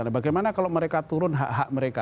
bagaimana kalau mereka turun hak hak mereka